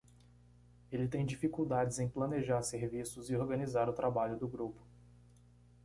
Ele tem dificuldades em planejar serviços e organizar o trabalho do grupo.